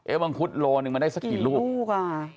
เอวังคุดโลนึงมาได้สักกี่ลูก